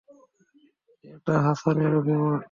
এটা হাসানের অভিমত।